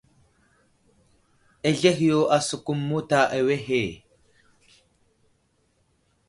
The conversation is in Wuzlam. Azlehe yo asəkum muta awehe.